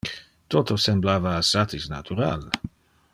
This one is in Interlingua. Toto semblava assatis natural.